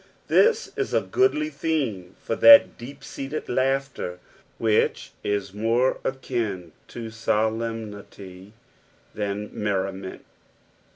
This is a goodly theme for that deep seated laughter which is more akin to solemnity than merriment.